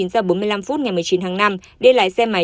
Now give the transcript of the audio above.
ngày một mươi chín tháng năm để lái xe máy